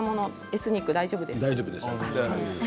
エスニック大丈夫ですか？